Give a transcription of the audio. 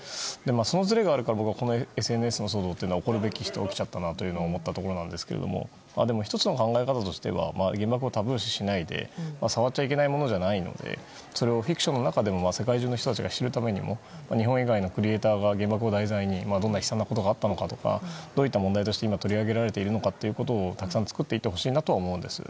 そのずれがあるからこのＳＮＳの騒動は起こるべくして起きちゃったんだなと思ったんところですけど１つの考え方としては原爆をタブー視しないで触っちゃいけないものじゃないのでそれをフィクションの中で世界中の人が知るためにも日本以外のクリエーターがどんな悲惨なことがあったのかどんな問題があったのか取り上げられているのかをたくさん作っていってほしいんですね。